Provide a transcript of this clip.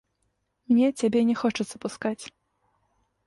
Мне цябе не хочацца пускаць.